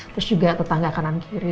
terus juga tetangga kanan kiri